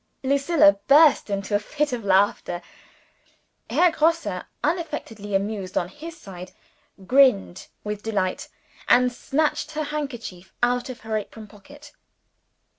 Lucilla burst into a fit of laughter. Herr Grosse, unaffectedly amused on his side, grinned with delight, and snatched her handkerchief out of her apron pocket.